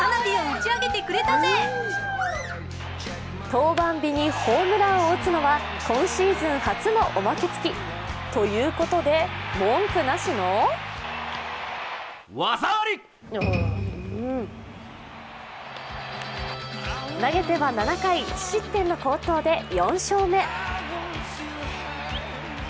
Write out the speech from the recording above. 登板日にホームランを打つのは今シーズン初のおまけ付き。ということで、文句なしの投げては７回、１失点の好投で４勝目。